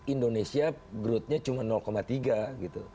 indonesia growth nya cuma tiga gitu